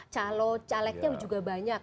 calon calegnya juga banyak